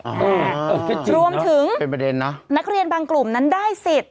จริงนะเป็นประเด็นน่ะรวมถึงนักเรียนบางกลุ่มนั้นได้สิทธิ์